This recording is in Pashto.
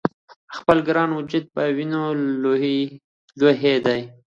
د خپل ګران وجود په وینو لویوي یې